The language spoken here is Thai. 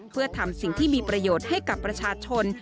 เพื่อทำสิ่งที่มีประโยชน์ให้กับประชาชน